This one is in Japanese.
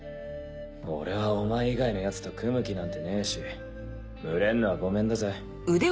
俺はお前以外のヤツと組む気なんてねえし群れんのはごめんだぜ。